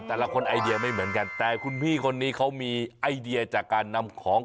แต่ละคนไอเดียไม่เหมือนกันแต่คุณพี่คนนี้เขามีไอเดียจากการนำของ